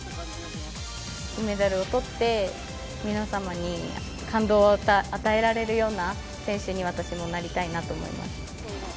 メダルをとって皆様に感動を与えられるような選手に私もなりたいなと思います。